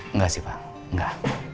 enggak sih pak enggak